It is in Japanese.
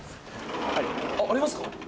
あっありますか？